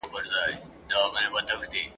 څومره مزه چې ده الله په دروېشۍ کې اېښې